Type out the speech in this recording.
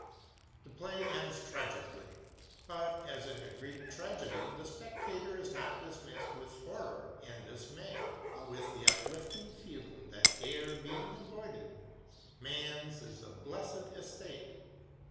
The play ends tragically; but, as in a Greek tragedy, the spectator is not dismissed with horror and dismay, but with the uplifting feeling that, error being avoided, man's is a blessed estate.